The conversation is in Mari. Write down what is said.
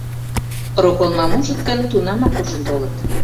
Роколмам ужыт гын, тунамак куржын толыт.